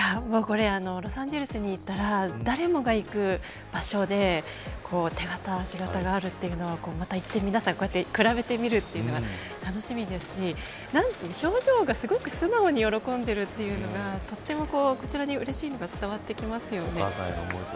ロサンゼルスに行ったら誰もが行く場所で手形、足形があるというのは行って、皆さん比べてみるというのが楽しみですし表情がすごく素直に喜んでいるというのがこちらにうれしいのが伝わってきますよね。